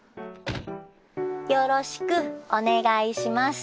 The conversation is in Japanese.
よろしくお願いします。